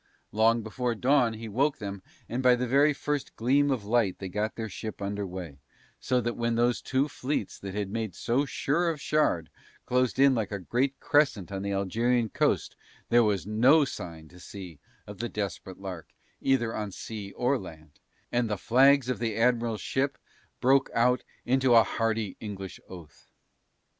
Long before dawn he woke them and by the very first gleam of light they got their ship under way, so that when those two fleets that had made so sure of Shard closed in like a great crescent on the Algerian coast there was no sign to see of the Desperate Lark either on sea or land; and the flags of the Admiral's ship broke out into a hearty English oath.